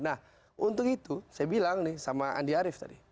nah untuk itu saya bilang nih sama andi arief tadi